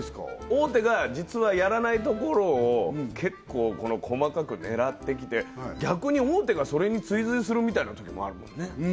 大手が実はやらないところを結構細かく狙ってきて逆に大手がそれに追随するみたいなときもあるもんね